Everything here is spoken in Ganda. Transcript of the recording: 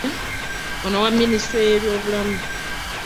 On owa Minisitule y'ebyobulamu